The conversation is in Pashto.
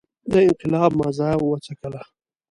د انقلاب مزه وڅکله.